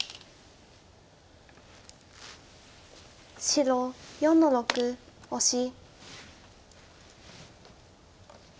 白４の六オシ。